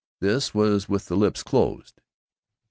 This was with the lips closed.